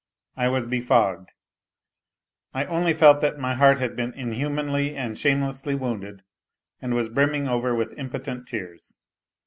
I was befogged; I only felt that my heart had been inhumanly and shamelessly wounded, and brimming over with impotent tears.